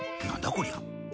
こりゃ。